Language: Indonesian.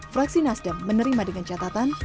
fraksi nasdem menerima dengan catatan